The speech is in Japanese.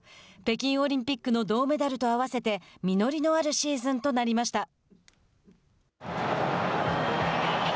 北京オリンピックの銅メダルと合わせて実りのあるシーズンとなりました。